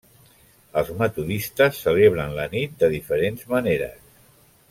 Els Metodistes celebren la nit de diferents maneres.